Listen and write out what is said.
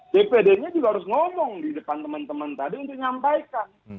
dpd nya juga harus ngomong di depan teman teman tadi untuk nyampaikan